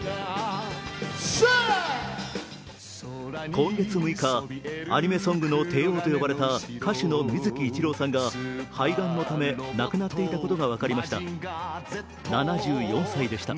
今月６日、アニメソングの帝王と呼ばれた歌手の水木一郎さんが肺がんのため亡くなっていたことが分かりました。